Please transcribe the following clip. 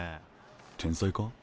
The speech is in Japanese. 天才か？